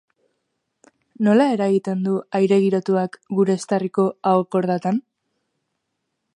Nola eragiten du aire girotuak gure eztarriko aho-kordatan?